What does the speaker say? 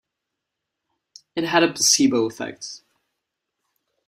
It had a placebo effect.